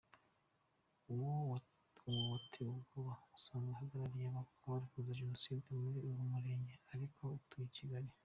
Uwo watewe ubwoba asanzwe ahagarariye abarokotse Jenoside muri uwo murenge, ariko atuye i Kigali.